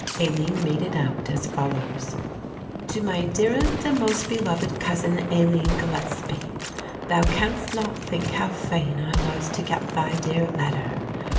Aline made it out as follows: "To my dearest and most beloved cousin Aline Gillespie, "Thou canst not think how fain I was to get thy dear letter.